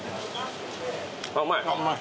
うまい。